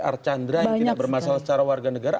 archandra yang tidak bermasalah secara warga negara